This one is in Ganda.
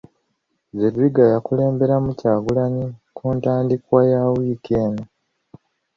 Zedriga yakulemberamu Kyagulanyi ku ntandikwa ya wiiki eno.